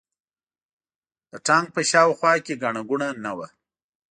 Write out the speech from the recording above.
د تانک په شا او خوا کې ګڼه ګوڼه نه وه.